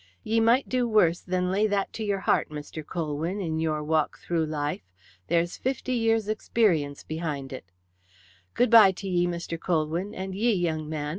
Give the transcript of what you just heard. Ye might do worse than lay that to your heart, Mr. Colwyn, in your walk through life. There's fifty years' experience behind it. Good bye to ye, Mr. Colwyn, and ye, young man.